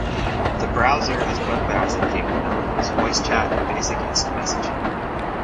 The browser has web browsing capabilities, voice chat, and basic instant messaging.